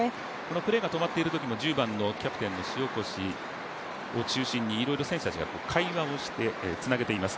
プレーが止まっているときも１０番のキャプテンの塩越を中心にいろいろ選手たちが会話をして、つなげています。